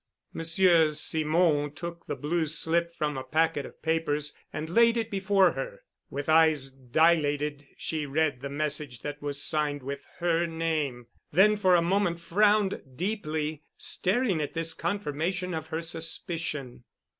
Monsieur Simon took the blue slip from a packet of papers and laid it before her. With eyes dilated, she read the message that was signed with her name. Then for a moment frowned deeply, staring at this confirmation of her suspicion.